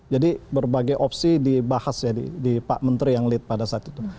jadi berbagai opsi dibahas ya di pak menteri yang lead pada saat itu